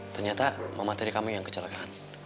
ternyata mama terikamu yang kejelekan